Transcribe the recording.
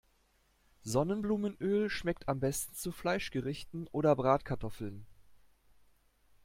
Sonnenblumenöl schmeckt am besten zu Fleischgerichten oder Bratkartoffeln.